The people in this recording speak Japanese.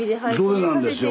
それなんですよ。